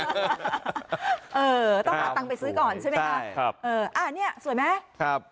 เออต้องหาตังค์ไปซื้อก่อนใช่ไหมคะใช่ครับเอออ่าเนี่ยสวยไหมครับ